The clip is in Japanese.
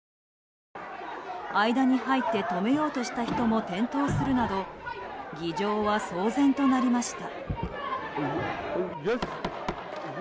間に入って止めようとした人も転倒するなど議場は騒然となりました。